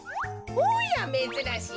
おやめずらしい。